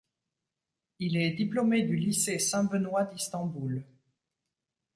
Il est diplômé du lycée Saint-Benoît d'Istanbul.